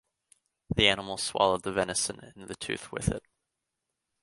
The animal swallowed the venison and the tooth with it.